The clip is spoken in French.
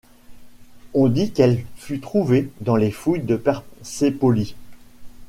On dit qu'elle fut trouvée dans les fouilles de Persépolis.